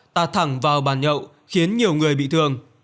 ta thẳng vào bàn nhậu khiến nhiều người bị thương